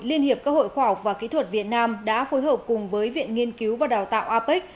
liên hiệp các hội khoa học và kỹ thuật việt nam đã phối hợp cùng với viện nghiên cứu và đào tạo apec